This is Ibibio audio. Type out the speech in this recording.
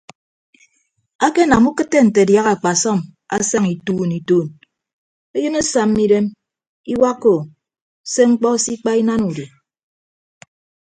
Akenam ukịtte nte adiaha akpasọm asaña ituun ituun eyịn asamma idem iwakka ou se mkpọ se ikpa inana udi.